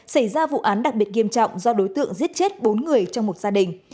xảy ra vụ án đặc biệt nghiêm trọng do đối tượng giết chết bốn người trong một gia đình